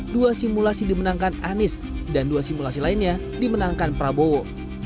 dua simulasi dimenangkan anies dan dua simulasi lainnya dimenangkan prabowo